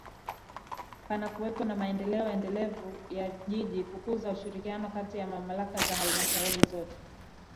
panakuwepo na maendeleo endelevu ya Jiji Kukuza ushirikiano kati ya Mamlaka za Halmashauri zote